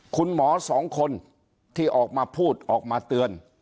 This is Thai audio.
คุณหมอสองคนที่ออกมาพูดออกมาเตือน